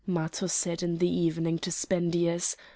Matho said in the evening to Spendius.